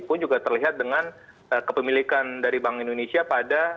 pun juga terlihat dengan kepemilikan dari bank indonesia pada